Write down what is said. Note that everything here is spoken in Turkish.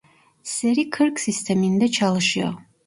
Seri kırk sisteminde çalışıyor.